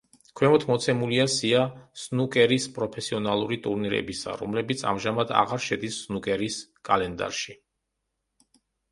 ქვემოთ მოცემულია სია სნუკერის პროფესიონალური ტურნირებისა, რომლებიც ამჟამად აღარ შედის სნუკერის კალენდარში.